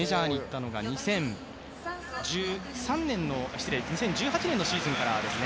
メジャーに行ったのが２０１８年のシーズンからですね。